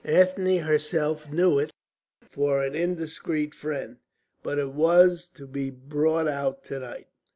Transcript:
Ethne herself knew it for an indiscreet friend. But it was to be brought out to night.